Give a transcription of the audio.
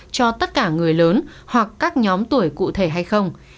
cho tất cả người lớn hoặc các nhóm tuổi cụ thể hay không